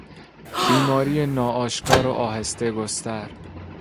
بیماری ناآشکار و آهسته گستر